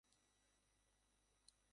আমার একলায় কুলোল না?